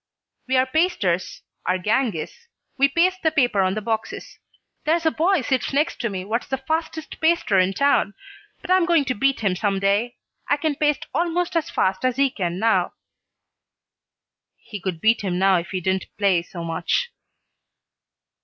"We are pasters, our gang is. We paste the paper on the boxes. There's a boy sits next to me what's the fastest paster in town, but I'm going to beat him some day. I can paste almost as fast as he can now." "He could beat him now if he didn't play so much."